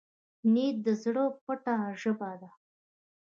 نیت د زړه پټه ژبه ده.